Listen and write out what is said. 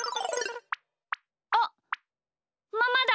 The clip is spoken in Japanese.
あっママだ！